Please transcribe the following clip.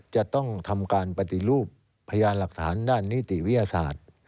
จะต้องทำการปฏิรูปพยานหลักฐานด้านนิติวิทยาศาสตร์